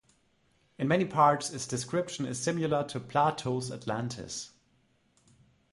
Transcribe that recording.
In many parts its description is similar to Plato's Atlantis.